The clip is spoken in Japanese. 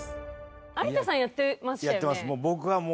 有田さんやってましたよね？